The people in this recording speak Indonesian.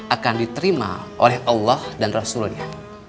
akan diterima oleh allah dan rasulnya